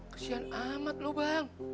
kesian amat lo bang